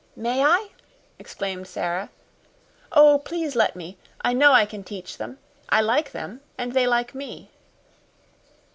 "May I?" exclaimed Sara. "Oh, please let me! I know I can teach them. I like them, and they like me."